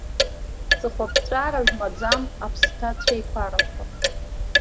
Ҵыхәаԥҵәара змаӡам аԥсҭа цәеиқәарақәа.